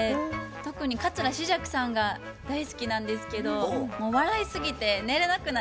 特に桂枝雀さんが大好きなんですけどもう笑いすぎて寝れなくなっちゃって。